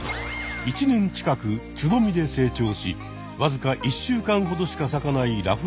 １年近くツボミで成長しわずか１週間ほどしか咲かないラフレシア。